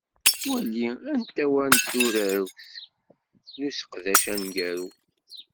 Wali amtawa n turagt n useqdac aneggaru.